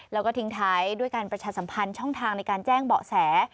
แล้วก็ทิ้งท้ายด้วยการประชาสัมพันธ์ช่องทางในการแจ้งเบาะแส